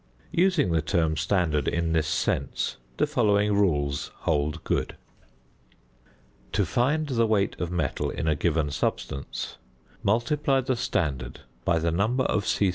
Using the term "standard" in this sense, the following rules hold good: To find the weight of metal in a given substance: _Multiply the standard by the number of c.